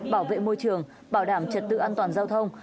bảo vệ môi trường bảo đảm trật tự an toàn giao thông